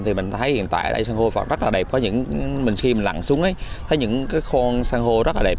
thì mình thấy hiện tại đây san hô rất là đẹp mình khi lặn xuống thấy những khoan san hô rất là đẹp